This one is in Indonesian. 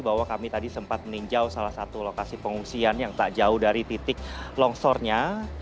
bahwa kami tadi sempat meninjau salah satu lokasi pengungsian yang tak jauh dari titik longsornya